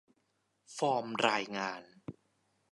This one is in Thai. ฟอร์มรายงาน